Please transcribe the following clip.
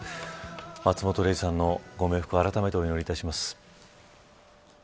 松本零士さんのご冥福をあらためてお祈りいたします。